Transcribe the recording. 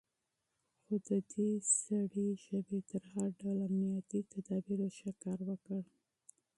خو د دې سړي ژبې تر هر ډول امنيتي تدابيرو ښه کار وکړ.